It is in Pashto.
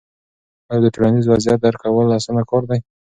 آیا د ټولنیز وضعیت درک کول اسانه کار دی؟